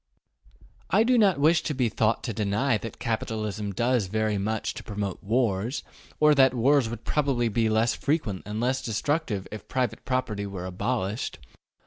I do not wish to be thought to deny that capitalism does very much to promote wars, or that wars would probably be less frequent and less destructive if private property were abolished.